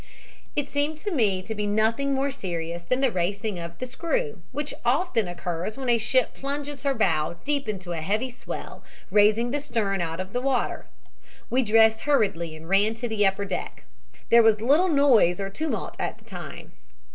"It seemed to me to be nothing more serious than the racing of the screw, which often occurs when a ship plunges her bow deep into a heavy swell, raising the stern out of water. We dressed hurriedly and ran to the upper deck. There was little noise or tumult at the time.